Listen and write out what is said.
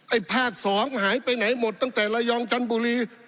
ภาค๒หายไปไหนหมดตั้งแต่ระยองจันทบุรี